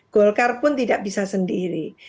golkar pun tidak bisa sendiri